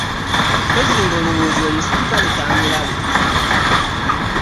Mpozzi nga alowooza nti omuserikale taamulabe.